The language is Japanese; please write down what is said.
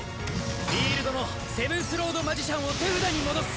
フィールドのセブンスロード・マジシャンを手札に戻す。